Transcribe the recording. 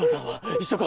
一緒か？